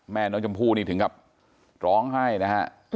แม่น้องชมพู่นี่ถึงกับร้องไห้นะฮะ